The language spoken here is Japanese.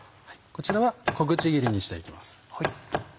こちらは小口切りにして行きます。